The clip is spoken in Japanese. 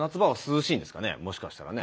もしかしたらね。